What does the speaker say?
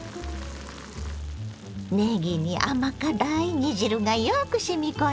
ねぎに甘辛い煮汁がよくしみ込んでるわ。